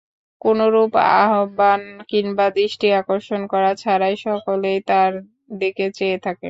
কোনরূপ আহবান কিংবা দৃষ্টি আকর্ষণ করা ছাড়াই সকলেই তার দিকে চেয়ে থাকে।